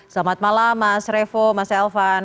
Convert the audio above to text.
selamat malam mas revo mas elvan